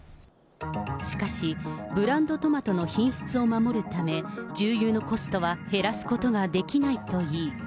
しかし、ブランドトマトの品質を守るため、重油のコストは減らすことができないといい。